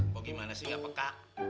kok gimana sih gak pekak